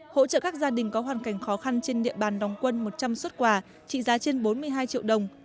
hỗ trợ các gia đình có hoàn cảnh khó khăn trên địa bàn đóng quân một trăm linh xuất quà trị giá trên bốn mươi hai triệu đồng